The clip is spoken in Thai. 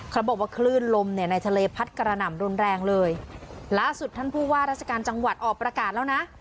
เขาบอกว่าคลื่นลมเนี่ยในทะเลพัดกระหน่ำรุนแรงเลยล่าสุดท่านผู้ว่าราชการจังหวัดออกประกาศแล้วนะ